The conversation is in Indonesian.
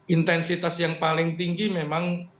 intensitas yang paling tinggi memang